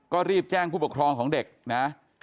ก็รีบแจ้งผู้ปกครองของเด็กนะ